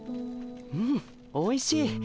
うんおいしい。